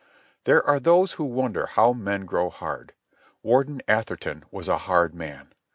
There are those who wonder how men grow hard. Warden Atherton was a hard man.